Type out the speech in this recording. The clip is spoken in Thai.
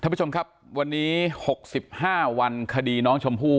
ท่านผู้ชมครับวันนี้๖๕วันคดีน้องชมพู่